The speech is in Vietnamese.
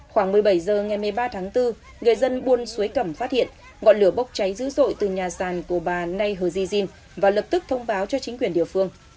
khoảng một mươi bảy h ngày một mươi ba tháng bốn người dân buôn suối cẩm phát hiện ngọn lửa bốc cháy dữ dội từ nhà sàn của bà nai hờ diên và lập tức thông báo cho chính quyền địa phương